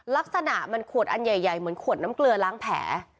ลักษณะมันขวดอันใหญ่เหมือนขวดน้ำเกลือล้างแผล